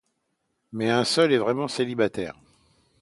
Mais un seul est vraiment célibataire.